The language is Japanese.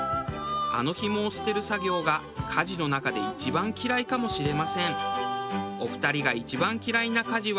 あのヒモを捨てる作業が家事の中で一番嫌いかもしれません。